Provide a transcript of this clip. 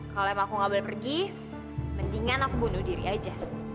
kalau emang aku gak boleh pergi mendingan aku bunuh diri aja